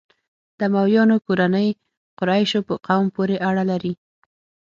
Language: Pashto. د امویانو کورنۍ قریشو په قوم پورې اړه لري.